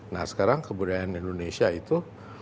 nah sekarang kebudayaan indonesia itu